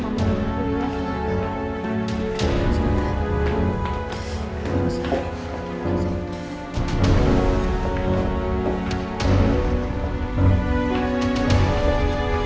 mama habis dari bandara kan